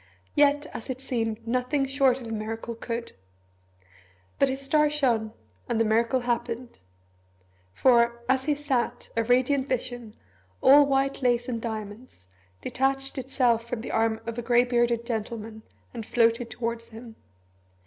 Yet, as it seemed, nothing short of a miracle could. But his star shone, and the miracle happened. For, as he sat, a radiant vision, all white lace and diamonds, detached itself from the arm of a grey bearded gentleman, and floated towards him.